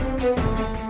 tidak ada tanah tanah